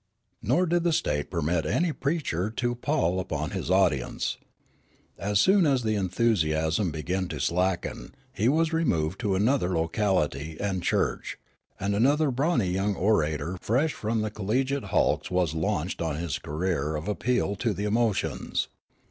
Nor did the state permit any preacher to pall upon his audience. As soon as the enthusiasm began tc slacken, he was removed to another localit}^ and church, and another brawny young orator fresh from the collegiate hulks was launched on his career of ap peal to the emotions.